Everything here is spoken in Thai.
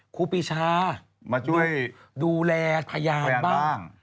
คุกปีชาดูแลพยานบ้างมาช่วยพยานบ้าง